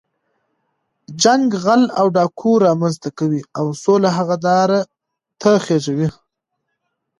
جنګ غل او ډاګو رامنځ ته کوي، او سوله هغه دار ته خېږوي.